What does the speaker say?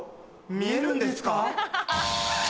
見えるんですか？